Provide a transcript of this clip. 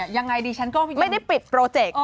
ยังไงดีฉันก็ไม่ได้ปิดโปรเจกต์